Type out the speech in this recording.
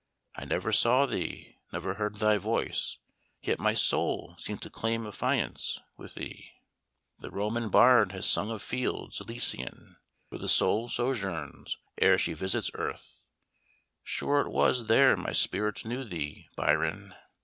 I never saw thee never heard thy voice, Yet my soul seemed to claim affiance with thee. The Roman bard has sung of fields Elysian, Where the soul sojourns ere she visits earth; Sure it was there my spirit knew thee, Byron!